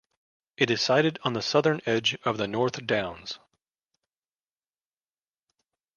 It is sited on the southern edge of the North Downs.